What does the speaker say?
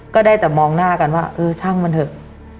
ก็ได้แต่มองหน้ากันว่าเออช่างมันเถอะ